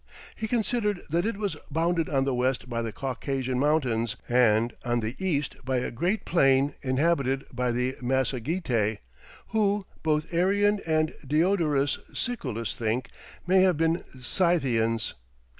He considered that it was bounded on the west by the Caucasian Mountains and on the east by a great plain inhabited by the Massagetæ, who, both Arian and Diodorus Siculus think, may have been Scythians.